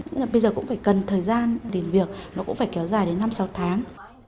nghĩa là bây giờ cũng phải cần thời gian tìm việc nó cũng phải kéo dài đến năm sáu tháng